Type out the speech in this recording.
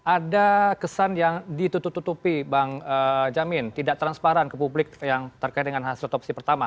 ada kesan yang ditutup tutupi bang jamin tidak transparan ke publik yang terkait dengan hasil otopsi pertama